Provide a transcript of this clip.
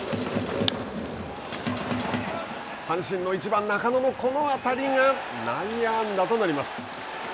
阪神の１番中野のこの当たりが内野安打となります。